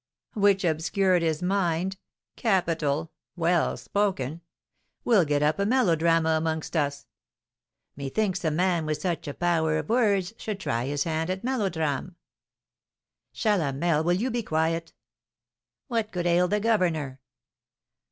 "Which obscured his mind! Capital! Well spoken! We'll get up a melodrama amongst us! "'Methinks a man with such a power of words, Should try his hand at melodrame!'" "Chalamel, will you be quiet?" "What could ail the governor?"